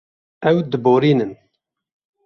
Ew diborînin.